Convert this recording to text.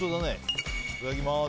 いただきます。